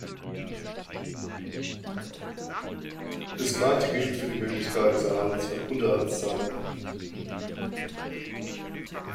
Das Gleiche gilt für die Möglichkeit des Erhalts von Unterhaltszahlungen.